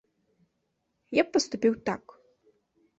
Я б паступіў так.